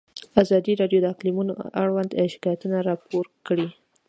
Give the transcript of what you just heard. ازادي راډیو د اقلیتونه اړوند شکایتونه راپور کړي.